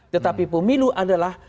tetapi pemilu adalah